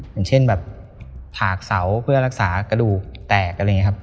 อย่างเช่นผากเสาเพื่อรักษากระดูกแตก